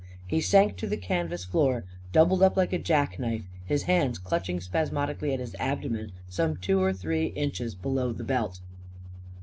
He sank to the canvas floor, doubled up like a jack knife; his hands clutching spasmodically at his abdomen some two or three inches below the belt.